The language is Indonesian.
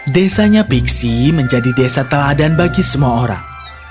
desanya piksi menjadi desa teladan bagi semua orang